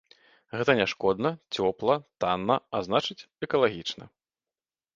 Гэта няшкодна, цёпла, танна, а значыць, экалагічна.